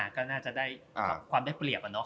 ก็น่าจะได้ความได้เปรียบ